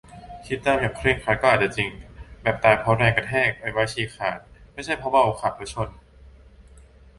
คิดตามอย่างเคร่งครัดก็อาจจะจริง แบบ ตายเพราะแรงกระแทก อวัยวะฉีดขาด ไม่ใช่เพราะเมาขับแล้วชน ?